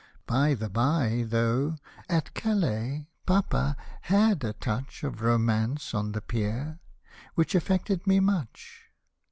By the by, though, at Calais, Papa had a touch Of romance on the pier, which affected me much.